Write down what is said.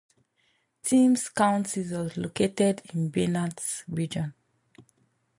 Temes county was located in the Banat region.